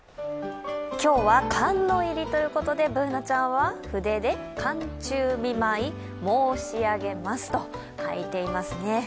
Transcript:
今日は寒の入りということでＢｏｏｎａちゃんは筆で寒中見舞い申し上げますと書いていますね。